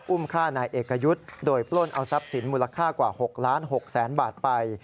อุ้มฆ่านายเอกยุทธ์โดยปล้นเอาทรัพย์สินมูลค่ากว่า๖ล้าน๖แสนบาทไป